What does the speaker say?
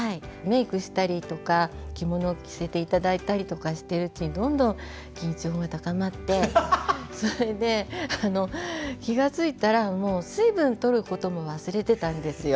メークしたりとか着物を着せて頂いたりとかしてるうちにどんどん緊張が高まってそれであの気が付いたらもう水分とることも忘れてたんですよ。